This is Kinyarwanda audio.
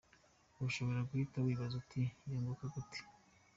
Ushobora guhita wibaza uti yunguka gute?.